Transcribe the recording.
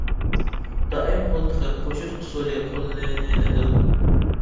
دائىم قول تىقىپ قوشۇش ئۇسۇلى قوللىنىلىدۇ.